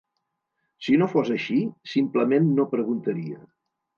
Si no fos així, simplement no preguntaria.